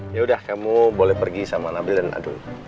ya udah kamu boleh pergi sama nabil dan adul